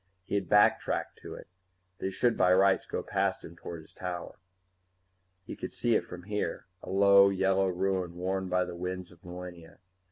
He had backtracked to it; they should by rights go past him toward his tower. He could see it from here, a low yellow ruin worn by the winds of millennia.